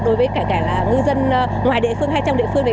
đối với cả ngư dân ngoài địa phương hay trong địa phương